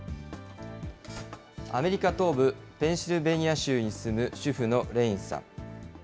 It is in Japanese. アメリカ東部ペンシルベニア州に住む、主婦のレインさん。